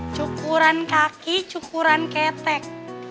cukuran kaki cukuran ketek